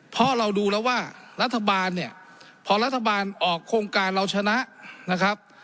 เพราะเราดูแล้วว่ารัฐบาลเนี่ยพอรัฐบาลออกโครงการเราชนะนะครับ